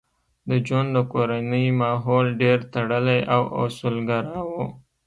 د جون د کورنۍ ماحول ډېر تړلی او اصولګرا و